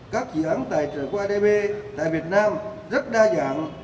các dự án tài trợ của adb tại việt nam rất đa dạng